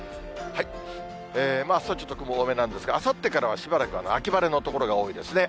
あすはちょっと雲多めなんですが、あさってからはしばらく秋晴れの所が多いですね。